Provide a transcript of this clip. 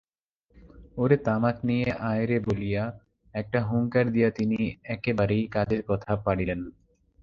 ওরে তামাক নিয়ে আয় রে বলিয়া একটা হুংকার দিয়া তিনি একেবারেই কাজের কথা পাড়িলেন।